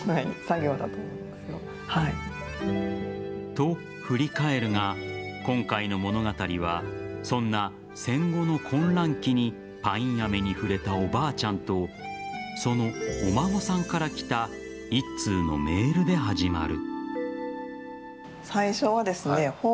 と、振り返るが今回の物語はそんな戦後の混乱期にパインアメに触れたおばあちゃんとそのお孫さんから来た一通のメールで始まる。